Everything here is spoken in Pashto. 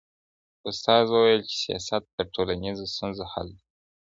استاد وويل چي سياست د ټولنيزو ستونزو حل دی.